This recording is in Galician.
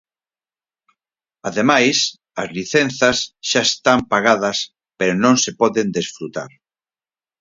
Ademais, as licenzas xa están pagadas pero non se poden desfrutar.